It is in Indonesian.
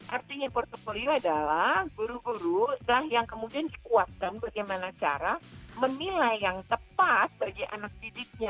artinya portfolio adalah guru guru lah yang kemudian dikuatkan bagaimana cara menilai yang tepat bagi anak didiknya